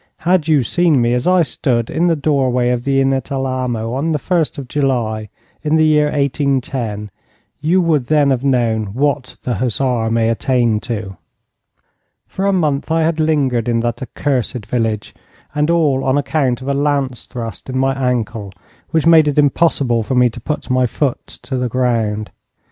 Had you seen me as I stood in the doorway of the inn at Alamo, on the 1st of July, in the year 1810, you would then have known what the hussar may attain to. For a month I had lingered in that accursed village, and all on account of a lance thrust in my ankle, which made it impossible for me to put my foot to the ground.